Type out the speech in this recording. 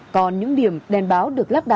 còn những điểm đèn báo được lắp đặt